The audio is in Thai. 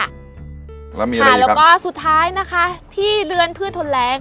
แล้วมีอะไรอีกครับค่ะแล้วก็สุดท้ายนะคะที่เรือนพืชทนแรงค่ะ